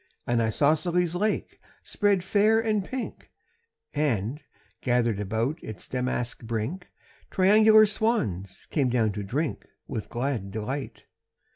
An isosceles lake spread fair and pink, And, gathered about its damask brink, Triangular swans came down to drink With glad delight.